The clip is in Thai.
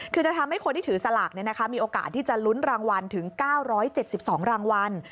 คือจะทำให้คนที่ถือสลากมีโอกาสที่จะลุ้นรางวัลถึง๙๗๒รางวัล